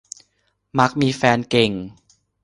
มักมีแฟนเก่ง